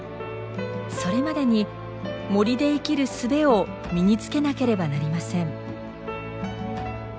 それまでに森で生きるすべを身につけなければなりません。